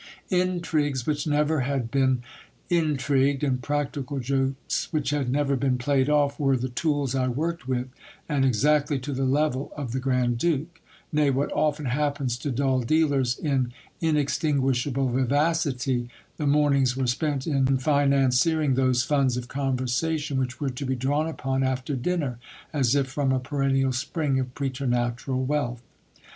Intrigues which never had been intrigued, and practical jokes which had never been played off, were the tools I worked with, and exactly to the level of the grand duke : nay, what often happens to dull dealers in inextinguishable vivacity, the mornings were spent in financiering those funds of conversation, which were to be drawn upon after dinner, as if from a perennial spring of preternatural wealth.